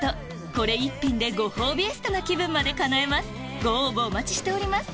これ一品でご褒美エステな気分までかなえますご応募お待ちしております